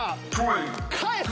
返せ！